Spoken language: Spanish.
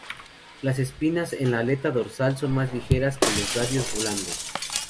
Las espinas en la aleta dorsal son más largas que los radios blandos.